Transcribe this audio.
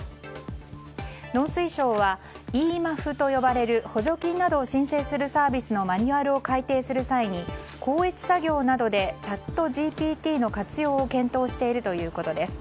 農水省は、ｅＭＡＦＦと呼ばれる補助金などを申請するサービスのマニュアルを改訂する際に校閲作業などでチャットＧＰＴの活用を検討しているということです。